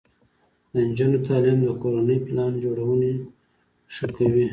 د نجونو تعلیم د کورنۍ پلان جوړونې ښه کوي.